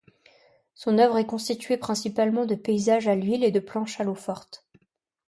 Son œuvre est constituée principalement de paysages à l’huile et de planches à l’eau-forte.